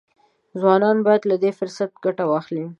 ځوانان باید له دې فرصتونو ګټه واخلي.